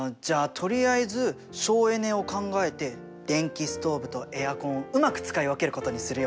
とりあえず省エネを考えて電気ストーブとエアコンをうまく使い分けることにするよ。